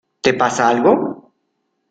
¿ te pasa algo?